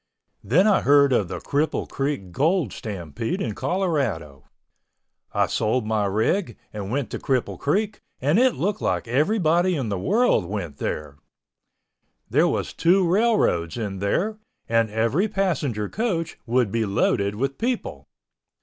Then I heard of the Cripple Creek gold stampede in Colorado. I sold my rig and went to Cripple Creek and it looked like everybody in the world went there. There was two railroads in there and every passenger coach would be loaded with people.